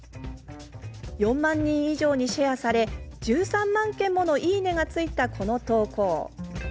４万人以上にシェアされ１３万件もの、いいねがついたこの投稿。